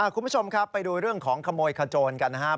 คุณผู้ชมครับไปดูเรื่องของขโมยขโจรกันนะครับ